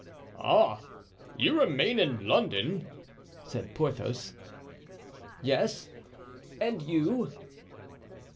"Ah! you remain in London?" said Porthos. "Yes. And you?"